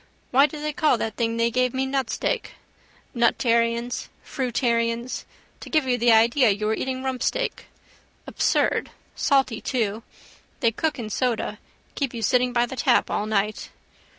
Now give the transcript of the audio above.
Why do they call that thing they gave me nutsteak? Nutarians. Fruitarians. To give you the idea you are eating rumpsteak. Absurd. Salty too. They cook in soda. Keep you sitting by the tap all night.